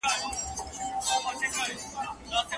افغان هلکان په نړیوالو غونډو کي رسمي استازیتوب نه لري.